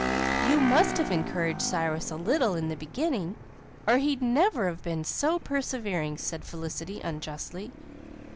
"You must have encouraged Cyrus a little in the beginning or he'd never have been so persevering," said Felicity unjustly.